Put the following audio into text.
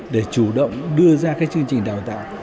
để chủ động đưa ra các chương trình đào tạo